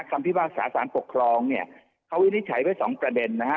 พิพากษาสารปกครองเนี่ยเขาวินิจฉัยไว้สองประเด็นนะฮะ